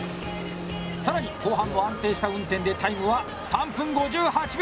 さらに後半も安定した運転でタイムは３分５８秒！